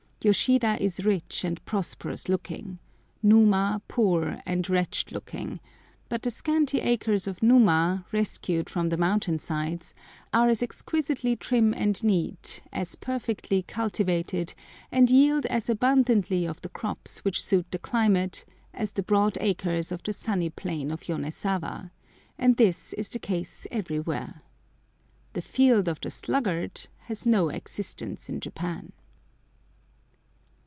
Yoshida is rich and prosperous looking, Numa poor and wretched looking; but the scanty acres of Numa, rescued from the mountain sides, are as exquisitely trim and neat, as perfectly cultivated, and yield as abundantly of the crops which suit the climate, as the broad acres of the sunny plain of Yonezawa, and this is the case everywhere. "The field of the sluggard" has no existence in Japan.